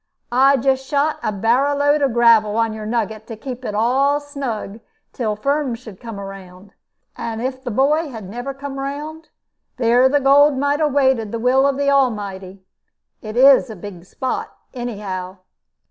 I just shot a barrow load of gravel on your nugget, to keep it all snug till Firm should come round; and if the boy had never come round, there the gold might have waited the will of the Almighty. It is a big spot, anyhow."